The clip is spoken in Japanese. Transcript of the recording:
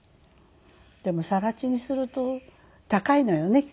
でも更地にすると高いのよねきっとまた。